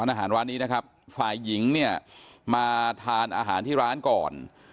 อาหารร้านนี้นะครับฝ่ายหญิงเนี่ยมาทานอาหารที่ร้านก่อน